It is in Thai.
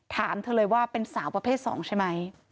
ถามเธอเลยว่าเป็นสาวประเภท๒ใช่ไหม